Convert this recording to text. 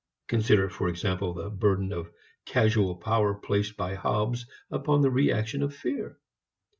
Consider, for example, the burden of causal power placed by Hobbes upon the reaction of fear.